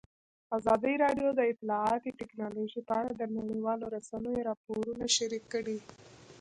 ازادي راډیو د اطلاعاتی تکنالوژي په اړه د نړیوالو رسنیو راپورونه شریک کړي.